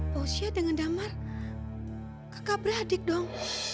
posya dengan damar kakak beradik dong